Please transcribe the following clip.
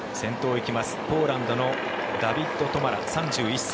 ポーランドのダビッド・トマラ、３１歳。